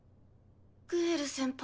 グエル先輩？